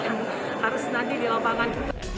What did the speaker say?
yang harus nanti di lapangan